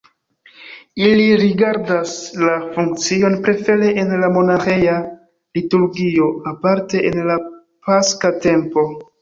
Ili rigardas la funkcion prefere en la monaĥeja liturgio, aparte en la paska tempo.